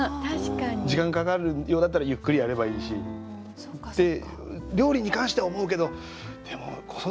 時間かかるようだったらゆっくりやればいいしって料理に関しては思うけどでも子育てはね。